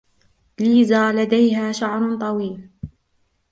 ليزا لديها شعر طويل.